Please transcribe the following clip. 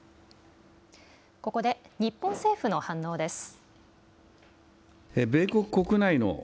ここで日本政府の反応です。